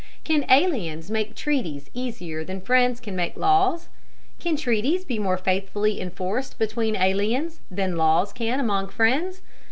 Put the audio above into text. Can aliens make treaties easier than friends can make laws? Can treaties be more faithfully enforced between aliens, than laws can among friends?